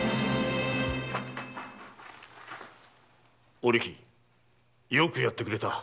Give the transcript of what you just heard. お力よくやってくれた。